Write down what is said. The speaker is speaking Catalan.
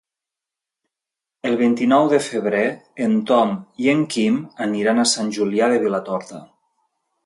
El vint-i-nou de febrer en Tom i en Quim aniran a Sant Julià de Vilatorta.